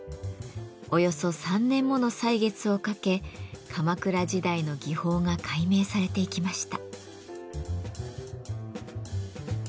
およそ３年もの歳月をかけ鎌倉時代の技法が解明されていきました。